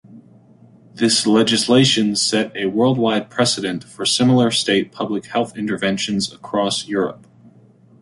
This legislation set a worldwide precedent for similar state public health interventions across Europe.